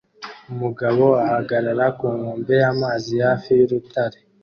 Umugabo ahagarara ku nkombe y'amazi hafi y'urutare